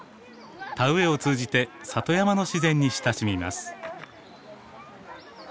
田植えを通じて里山の自然に親しみます。